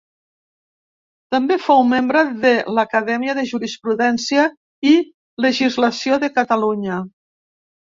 També fou membre de l'Acadèmia de Jurisprudència i Legislació de Catalunya.